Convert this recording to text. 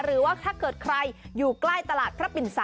หรือว่าถ้าเกิดใครอยู่ใกล้ตลาดพระปิ่น๓